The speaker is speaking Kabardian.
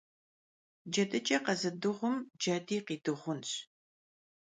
Cedıç'e khezıdığum cedi khidığunş.